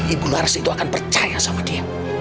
ibu laras itu akan percaya sama dia